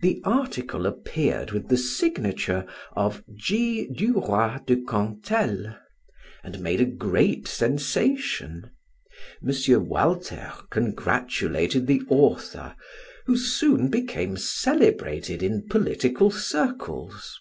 The article appeared with the signature of "G. du Roy de Cantel," and made a great sensation. M. Walter congratulated the author, who soon became celebrated in political circles.